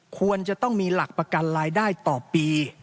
ควรจะต้องมีหลักประกันรายได้ต่อปี